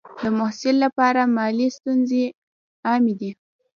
د محصل لپاره مالي ستونزې عامې دي.